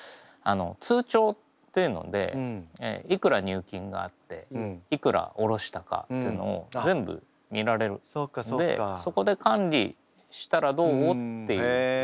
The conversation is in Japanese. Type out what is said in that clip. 通帳っていうのでいくら入金があっていくらおろしたかっていうのを全部見られるのでそこで管理したらどうっていう。